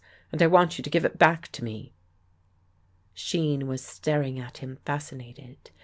And I want you to give it back to me. Shean was staring at him fascinated.